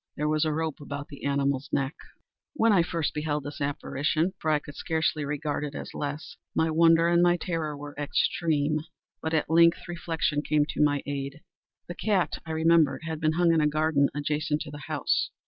There was a rope about the animal's neck. When I first beheld this apparition—for I could scarcely regard it as less—my wonder and my terror were extreme. But at length reflection came to my aid. The cat, I remembered, had been hung in a garden adjacent to the house.